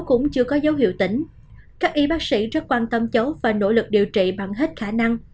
cũng chưa có dấu hiệu tỉnh các y bác sĩ rất quan tâm cháu và nỗ lực điều trị bằng hết khả năng